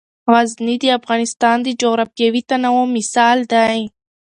غزني د افغانستان د جغرافیوي تنوع مثال دی.